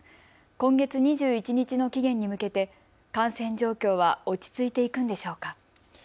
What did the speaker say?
今月２１日の期限に向けて感染状況は落ち着いていくんでしょうか。